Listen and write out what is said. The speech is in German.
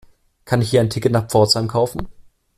Kann ich hier ein Ticket nach Pforzheim kaufen?